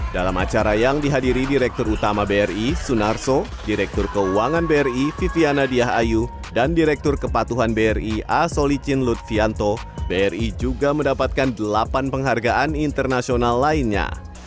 dalam acara yang dihadiri direktur utama bri sunarso direktur keuangan bri viviana diah ayu dan direktur kepatuhan bri a solicin lutfianto bri juga mendapatkan delapan penghargaan internasional lainnya